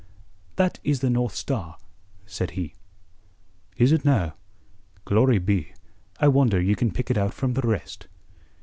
"That is the North Star," said he. "Is it now? Glory be, I wonder ye can pick it out from the rest."